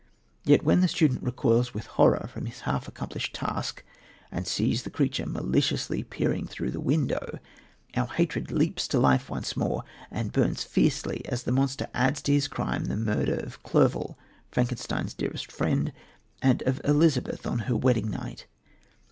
Yet when the student recoils with horror from his half accomplished task and sees the creature maliciously peering through the window, our hatred leaps to life once more and burns fiercely as the monster adds to his crimes the murder of Clerval, Frankenstein's dearest friend, and of Elizabeth on her wedding night.